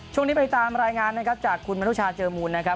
ช่วงนี้ไปตามรายงานนะครับจากคุณมนุชาเจอมูลนะครับ